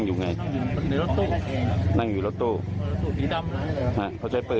ประมาณจำภาพไม่รู้หาจาก๓๔นัด